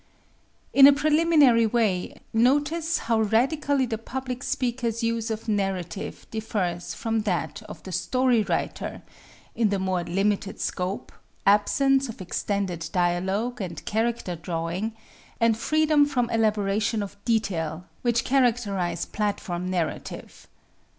In a preliminary way, notice how radically the public speaker's use of narrative differs from that of the story writer in the more limited scope, absence of extended dialogue and character drawing, and freedom from elaboration of detail, which characterize platform narrative.